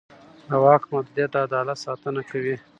د واک محدودیت د عدالت ساتنه کوي